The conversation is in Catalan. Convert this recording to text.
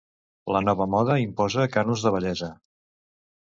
La nova moda imposa cànons de bellesa.